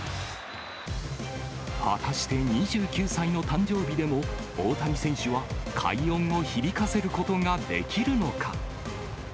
果たして２９歳の誕生日でも大谷選手は快音を響かせることができるのか。